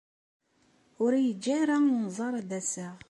Ur iyi-yeǧǧi ara unẓar ad d-aseɣ.